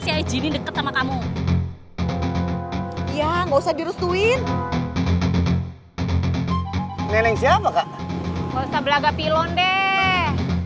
pakai jini deket sama kamu ya nggak usah dirustuin neneng siapa kak belaga pilon deh